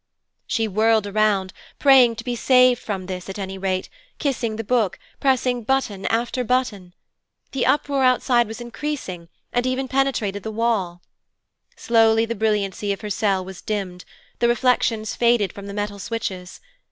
She whirled around, praying to be saved from this, at any rate, kissing the Book, pressing button after button. The uproar outside was increasing, and even penetrated the wall. Slowly the brilliancy of her cell was dimmed, the reflections faded from the metal switches.